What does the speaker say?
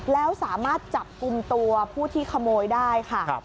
แล้วสามารถจับกลุ่มตัวผู้ที่ขโมยได้ค่ะ